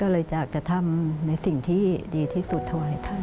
เลยจะทำในสิ่งที่ดีที่สุดธวายให้ท่าน